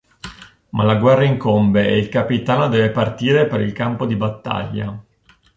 Ma la guerra incombe e il capitano deve partire per il campo di battaglia.